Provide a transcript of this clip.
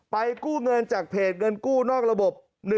กู้เงินจากเพจเงินกู้นอกระบบ